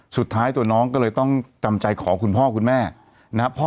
สุดท้ายตัวน้องก็เลยต้องจำใจขอคุณพ่อคุณแม่นะครับ